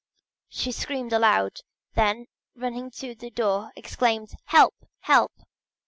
She screamed aloud; then running to the door exclaimed: "Help, help!"